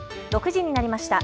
６時になりました。